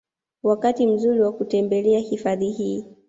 Wakati mzuri wa kutembelea hifadhi hii